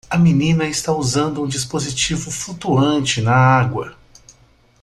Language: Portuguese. A menina está usando um dispositivo flutuante na água.